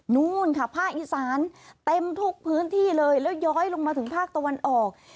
นู่นค่ะภาคอีสานเต็มทุกพื้นที่เลยแล้วย้อยลงมาถึงภาคตะวันออก